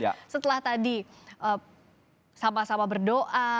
di borobudur setelah tadi sama sama berdoa